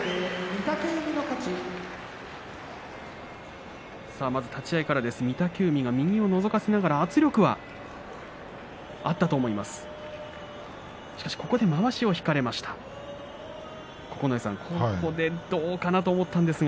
御嶽海が右をのぞかせながら圧力はあったと思います。